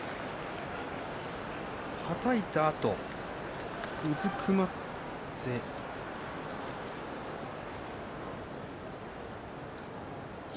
はたいたあとうずくまりました。